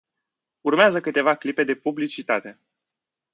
Urmează câteva clipe de publicitate.